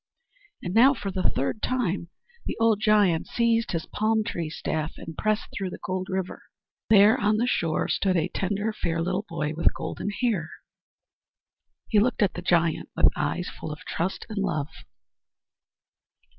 And now, for the third time, the old giant seized his palm tree staff and pressed through the cold river. There on the shore stood "a tender, fair little boy with golden hair. He looked at the giant with eyes full of trust and love."